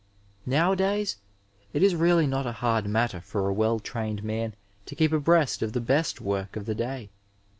Nowadays it is really not a hard matter for a well trained man to keep abreast of the best work of the day.